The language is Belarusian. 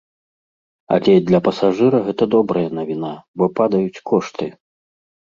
Але для пасажыра гэта добрая навіна, бо падаюць кошты.